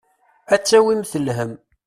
Ad d-tawimt lhemm.